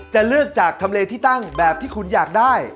จะเลือกจากทำเลที่ตั้งแบบที่คุณอยากได้